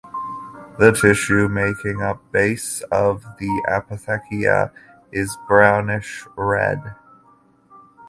The tissue making up base of the apothecia is brownish red.